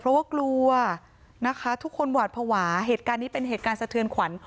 เพราะว่ากลัวนะคะทุกคนหวาดภาวะเหตุการณ์นี้เป็นเหตุการณ์สะเทือนขวัญ